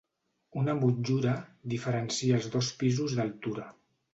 Una motllura diferencia els dos pisos d'altura.